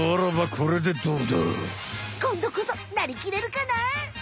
こんどこそなりきれるかな？